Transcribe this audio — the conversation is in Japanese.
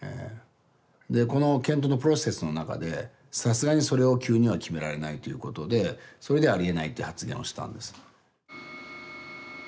でこの検討のプロセスの中でさすがにそれを急には決められないということでそれで「ありえない」って発言をしたんです。